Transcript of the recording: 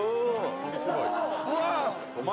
うわ！